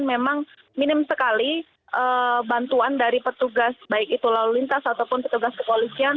memang minim sekali bantuan dari petugas baik itu lalu lintas ataupun petugas kepolisian